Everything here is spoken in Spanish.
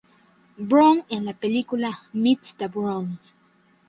Brown en la película "Meet the Browns".